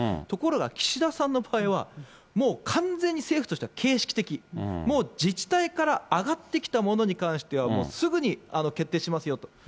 ところが岸田さんの場合は、もう完全に政府としては形式的、もう、自治体から上がってきたものに関しては、もうすぐに決定しますよと。